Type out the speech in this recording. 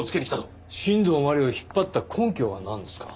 新道真理を引っ張った根拠はなんですか？